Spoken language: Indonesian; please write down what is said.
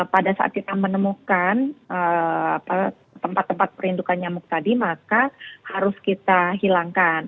pada saat kita menemukan tempat tempat perindukan nyamuk tadi maka harus kita hilangkan